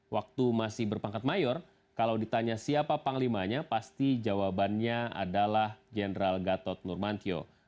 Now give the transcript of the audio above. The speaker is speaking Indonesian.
waktu masih berpangkat mayor kalau ditanya siapa panglimanya pasti jawabannya adalah general gatot nurmantio